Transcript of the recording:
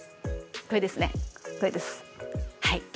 これですねこれですはい。